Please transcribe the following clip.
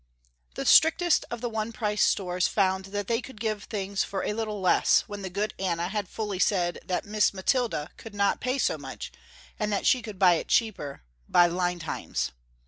The strictest of the one price stores found that they could give things for a little less, when the good Anna had fully said that "Miss Mathilda" could not pay so much and that she could buy it cheaper "by Lindheims."